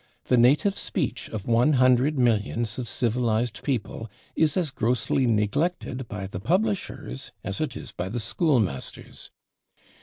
The native speech of one hundred millions of civilized people is as grossly neglected by the publishers as it is by the schoolmasters.